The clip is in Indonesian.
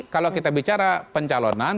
kalau kita bicara pencalonan